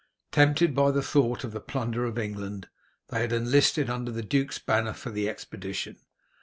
Tempted by the thought of the plunder of England, they had enlisted under the duke's banner for the expedition.